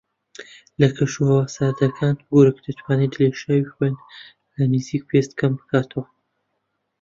لە کەش و ھەوا ساردەکان گورگ دەتوانێت لێشاوی خوێن لە نزیک پێست کەم بکاتەوە